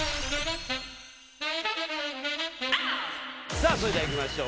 さあそれじゃあいきましょう。